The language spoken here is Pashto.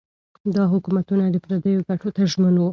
دا حکومتونه د پردیو ګټو ته ژمن وو.